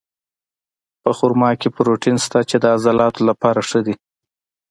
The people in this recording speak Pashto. په خرما کې پروټین شته، چې د عضلاتو لپاره ښه دي.